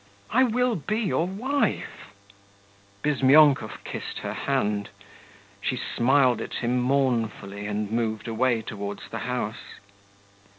I will be your wife.' Bizmyonkov kissed her hand: she smiled at him mournfully and moved away towards the house.